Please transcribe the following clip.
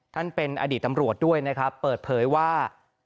เป็นอดีตตำรวจด้วยนะครับเปิดเผยว่า